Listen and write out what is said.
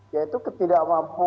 yaitu ketidakmampuan bergabung